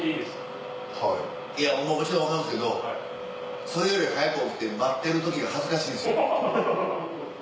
もちろん分かるんですけどそれより早く起きて待ってる時が恥ずかしいんですよね。